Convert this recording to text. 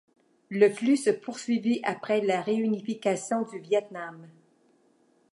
Le flux se poursuivit après la réunification du Viêt Nam.